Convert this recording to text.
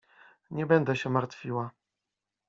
— Nie będę się martwiła.